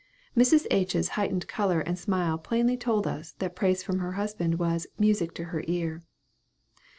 Mrs. H.'s heightened color and smile plainly told us, that praise from her husband was "music to her ear."